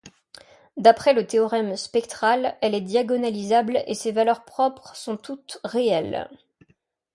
D'après le théorème spectral, elle est diagonalisable et ses valeurs propres sont toutes réelles.